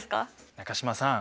中島さん